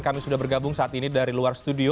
kami sudah bergabung saat ini dari luar studio